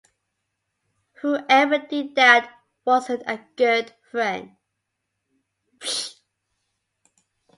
Whoever did that wasn't a good friend.